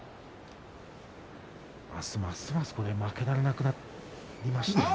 ますますこれ負けられなくなりましたね。